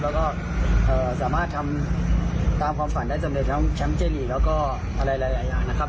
แล้วก็สามารถทำตามความฝันได้สำเร็จทั้งแชมป์เจลีกแล้วก็อะไรหลายอย่างนะครับ